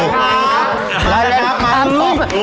ขายแล้วขายส่อง